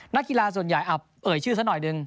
นักกีฬาส่วนใหญ่เอ่ยชื่อซะหน่อยหนึ่ง